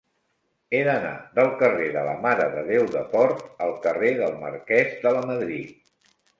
He d'anar del carrer de la Mare de Déu de Port al carrer del Marquès de Lamadrid.